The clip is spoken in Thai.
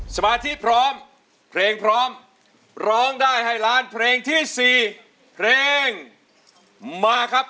สมาธิพร้อมเพลงพร้อมร้องได้ให้ล้านเพลงที่๔เพลงมาครับ